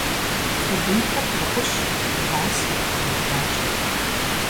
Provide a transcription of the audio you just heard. Фи бынхэр вгъэӀущ, вгъасэ, евгъаджэ.